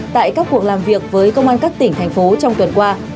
tại các cuộc làm việc với công an các tỉnh thành phố trong tuần qua